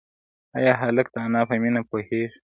ایا هلک د انا په مینه پوهېږي؟